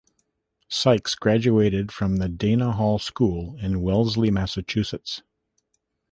Sykes graduated from the Dana Hall School in Wellesley, Massachusetts.